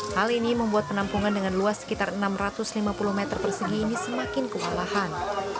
hal ini membuat penampungan dengan luas sekitar enam ratus lima puluh meter persegi ini semakin kewalahan